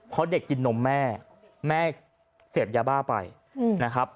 เพราะเด็กกินนมแม่แม่เสพยาบ้าไปนะครับ